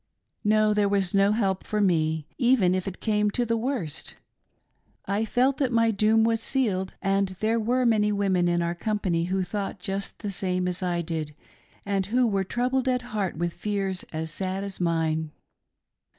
No, there was no help for me, even if it came to the worst. I felt that my doom was sealed ; and there were many women in our company who thought just the same as I did and who were troubled at heart with fears as sad as mine.